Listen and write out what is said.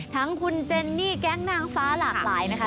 ทั้งคุณเจนนี่แก๊งนางฟ้าหลากหลายนะคะ